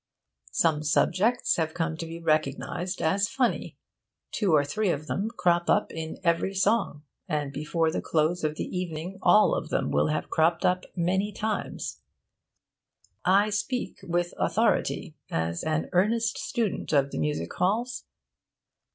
Some subjects have come to be recognised as funny. Two or three of them crop up in every song, and before the close of the evening all of them will have cropped up many times. I speak with authority, as an earnest student of the music halls.